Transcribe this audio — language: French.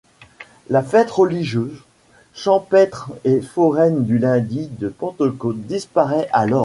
La fête religieuse, champêtre et foraine du lundi de Pentecôte disparaît alors.